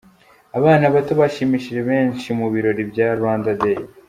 Abana bato bashimishije benshi mu birori bya Rwanda Day.